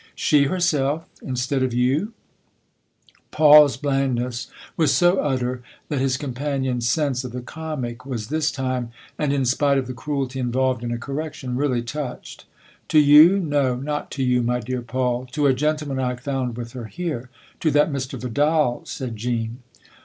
" She herself ? instead of you ?" Paul's blandness was so utter that his com panion's sense of the comic was this time, and in spite of the cruelty involved in a correction, really touched. "To you? No, not to you, my dear Paul. To a gentleman I found with her here. To that Mr. Vidal," said Jean.